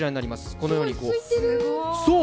このようにこう。